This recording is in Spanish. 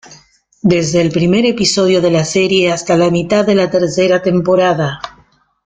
Desde el primer episodio de la serie hasta la mitad de la tercera temporada.